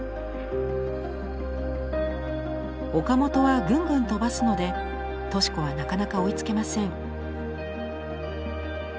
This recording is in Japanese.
岡本はぐんぐん飛ばすので敏子はなかなか追いつけません。